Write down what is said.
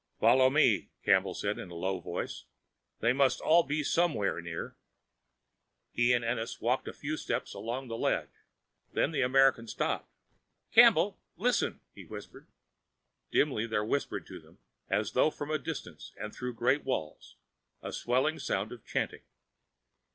"Follow me," Campbell said in a low voice. "They must all be somewhere near." He and Ennis walked a few steps along the ledge, when the American stopped. "Campbell, listen!" he whispered. Dimly there whispered to them, as though from a distance and through great walls, a swelling sound of chanting.